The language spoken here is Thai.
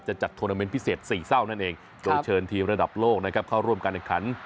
จัดทวนาเมนต์พิเศษสี่เศร้านั่นเองโดยเชิญทีมระดับโลกนะครับเข้าร่วมการแข่งขัน